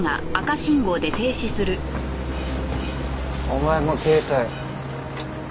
お前も携帯。